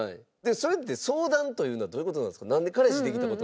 それって「相談」というのはどういう事なんですか？